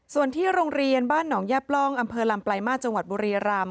ส่วนที่โรงเรียนบ้านหนองย่าปล่องอำเภอลำปลายมาสจังหวัดบุรีรำ